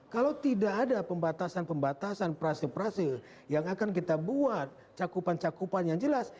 kalau tidak ada pembatasan pembatasan prase prase yang akan kita buat cakupan cakupan yang jelas